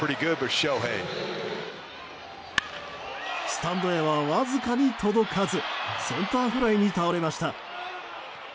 スタンドへはわずかに届かずセンターフライに倒れました。